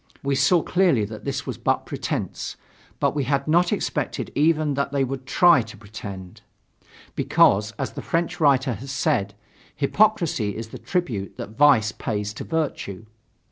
We saw clearly that this was but pretense; but we had not expected even that they would try to pretend; because, as the French writer has said, hypocrisy is the tribute that vice pays to virtue.